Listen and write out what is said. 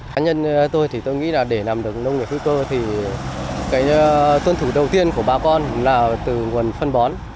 cá nhân tôi thì tôi nghĩ là để làm được nông nghiệp hữu cơ thì cái tuân thủ đầu tiên của bà con là từ nguồn phân bón